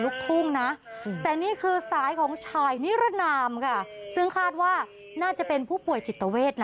คือเขาไปหวานนะคุณ